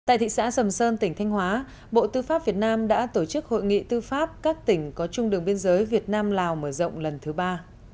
tại thị xã sầm sơn tỉnh thanh hóa bộ tư pháp việt nam đã tổ chức hội nghị tư pháp các tỉnh có chung đường biên giới việt nam lào mở rộng lần thứ ba